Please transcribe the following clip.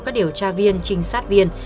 các điều tra viên trinh sát viên